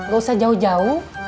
gak usah jauh jauh